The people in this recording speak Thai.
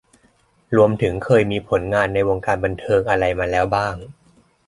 รวมถึงเคยมีผลงานในวงการบันเทิงอะไรมาแล้วบ้าง